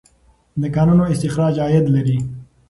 د کانونو استخراج عاید لري.